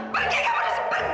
pergi kamu terus pergi